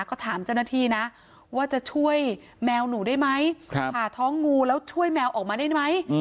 ก็ถามเจ้าหน้าที่นะว่าจะช่วยแมวหนูได้ไหมผ่าท้องงูแล้วช่วยแมวออกมาได้ไหม